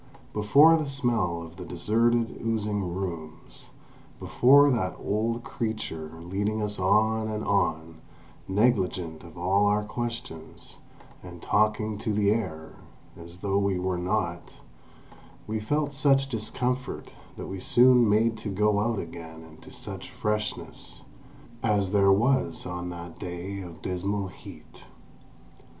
Before the smell of the deserted, oozing rooms, before that old creature leading us on and on, negligent of all our questions, and talking to the air, as though we were not, we felt such discomfort that we soon made to go out again into such freshness as there was on that day of dismal heat.